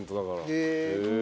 へえ。